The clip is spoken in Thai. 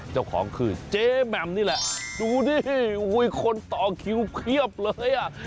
เจ้าของคือเจแมมนี่แหละดูดิคนต่อคิวเพียบเลย